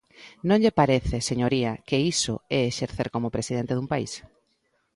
¿Non lle parece, señoría, que iso é exercer como presidente dun país?